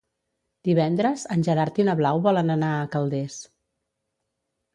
Divendres en Gerard i na Blau volen anar a Calders.